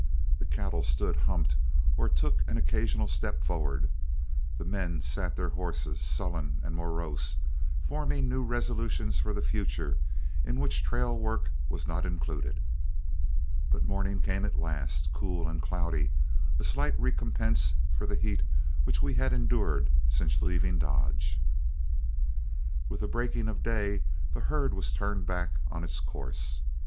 The cattle stood humped or took an occasional step forward, the men sat their horses, sullen and morose, forming new resolutions for the future, in which trail work was not included. But morning came at last, cool and cloudy, a slight recompense for the heat which we had endured since leaving Dodge. With the breaking of day, the herd was turned back on its course.